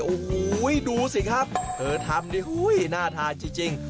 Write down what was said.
โอ้โหดูสิครับเธอทำนี่น่าทานจริง